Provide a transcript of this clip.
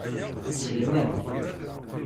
Sellmen.